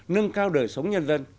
nâng cao đời sống nhân dân